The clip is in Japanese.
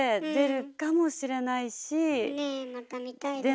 ねえまた見たいですねえ。